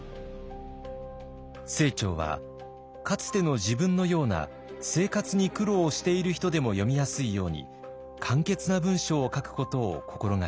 清張はかつての自分のような生活に苦労をしている人でも読みやすいように簡潔な文章を書くことを心掛けました。